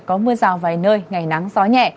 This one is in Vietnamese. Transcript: có mưa rào vài nơi ngày nắng gió nhẹ